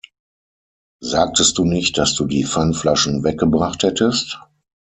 Sagtest du nicht, dass du die Pfandflaschen weggebracht hättest?